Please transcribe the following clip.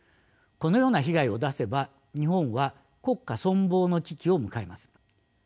このような被害を出せば日本は国家存亡の危機を迎えます。